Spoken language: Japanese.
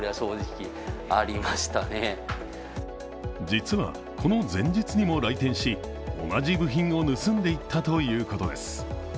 実は、この前日にも来店し同じ部品を盗んでいったということです。